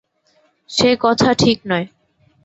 সে কথা ঠিক নয়।